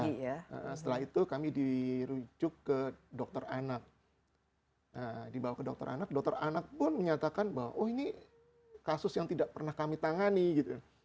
setelah itu kami dirujuk ke dokter anak dibawa ke dokter anak dokter anak pun menyatakan bahwa oh ini kasus yang tidak pernah kami tangani gitu kan